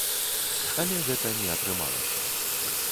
Але гэта не атрымалася.